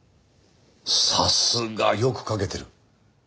さすがよく書けてる！